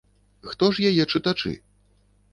Хто ж яе чытачы?